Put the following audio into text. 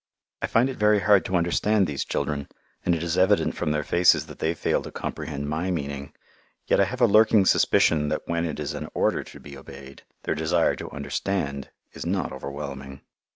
I find it very hard to understand these children and it is evident from their faces that they fail to comprehend my meaning. Yet I have a lurking suspicion that when it is an order to be obeyed, their desire to understand is not overwhelming.